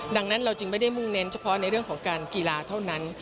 ดังนั้นเราจึงไม่ได้มุ่งเน้นเฉพาะในเรื่องของการกีฬาเท่านั้น